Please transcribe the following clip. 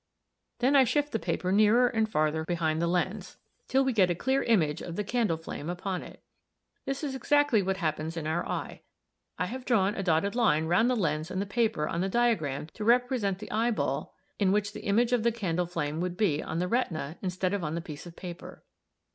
Then I shift the paper nearer and farther behind the lens, till we get a clear image of the candle flame upon it. This is exactly what happens in our eye. I have drawn a dotted line c round the lens and the paper on the diagram to represent the eyeball in which the image of the candle flame would be on the retina instead of on the piece of paper.